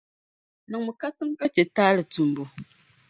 Niŋmi katiŋa ka chɛ taali tumbu.